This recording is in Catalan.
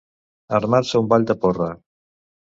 Armar-se un ball de porra.